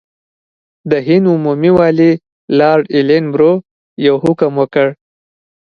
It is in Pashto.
د هند عمومي والي لارډ ایلن برو یو حکم وکړ.